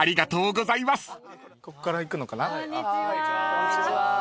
こんにちは。